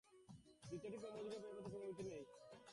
দ্বিতীয়টি কর্মযোগের পথ, এ পথে কর্মের বিরতি নাই।